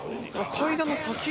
階段の先？